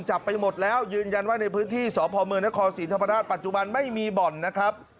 จับไปหมดแล้วยืนยันว่าในพื้นที่สพนศศปัจจุบันไม่มีบ่อนนะครับ